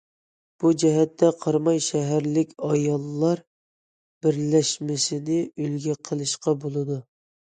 بۇ جەھەتتە قاراماي شەھەرلىك ئاياللار بىرلەشمىسىنى ئۈلگە قىلىشقا بولىدۇ.